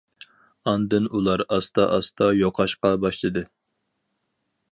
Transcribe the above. ئاندىن ئۇلار ئاستا ئاستا يوقاشقا باشلىدى.